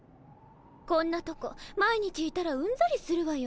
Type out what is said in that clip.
こんなとこ毎日いたらうんざりするわよ。